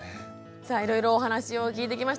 さあいろいろお話を聞いてきました。